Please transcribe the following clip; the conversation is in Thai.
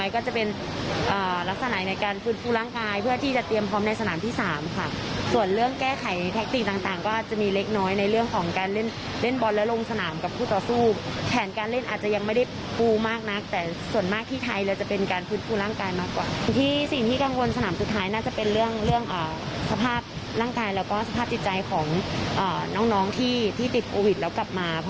ขอย้ำอีก๑ทีนะครับก็คิดว่าสิ่งที่เราต้องการ